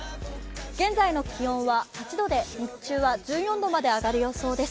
現在の気温は８度で日中は１４度まで上がる予想です。